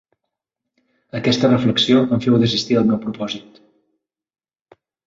Aquesta reflexió em feu desistir del meu propòsit.